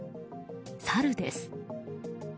サルです。